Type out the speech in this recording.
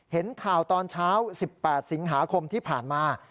เห็นข่าวตอนเช้า๑๘สิงหาคมที่ผ่านมา